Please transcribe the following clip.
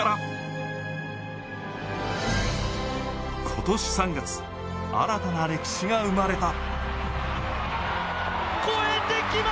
今年３月、新たな歴史が生まれた。